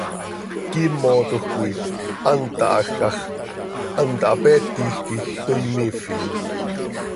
Quiimotoj coi hant táhajca x, hant hapeetij quij toii imiifin.